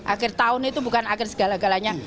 akhir tahun itu bukan akhir segala galanya